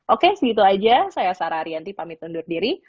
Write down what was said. oke segitu aja saya sarah ariyanti pamit undur diri